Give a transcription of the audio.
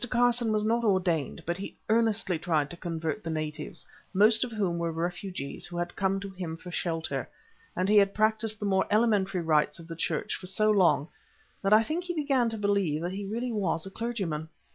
Carson was not ordained, but he earnestly tried to convert the natives, most of whom were refugees who had come to him for shelter, and he had practised the more elementary rites of the church for so long that I think he began to believe that he really was a clergyman.